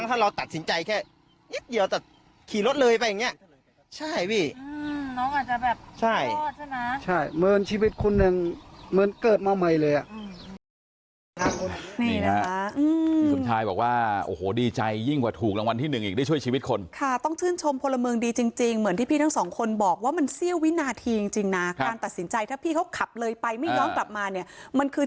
ใช่ใช่เหมือนชีวิตคนหนึ่งเหมือนเกิดมาใหม่เลยอ่ะนี่นะคะอืมพี่สุนชายบอกว่าโอ้โหดีใจยิ่งกว่าถูกรางวัลที่หนึ่งอีกได้ช่วยชีวิตคนค่ะต้องชื่นชมพลเมิงดีจริงจริงเหมือนที่พี่ทั้งสองคนบอกว่ามันเสี้ยววินาทีจริงจริงน่ะค่ะการตัดสินใจถ้าพี่เขาขับเลยไปไม่ย้อนกลับมาเนี่ยมันคื